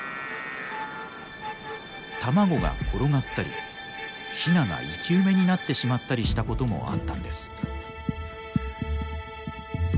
卵が転がったりヒナが生き埋めになってしまったりしたこともあったんです。